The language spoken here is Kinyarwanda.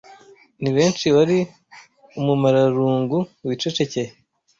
ni benshi wari umumararungu wicecekeye